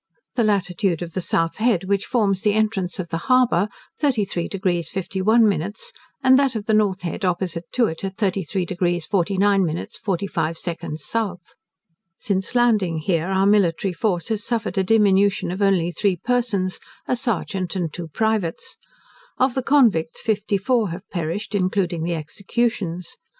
The latitude of the south head which forms the entrance of the harbour, 33 deg 51 min, and that of the north head opposite to it at 33 deg 49 min 45 sec south. Since landing here our military force has suffered a diminution of only three persons, a serjeant and two privates. Of the convicts fifty four have perished, including the executions.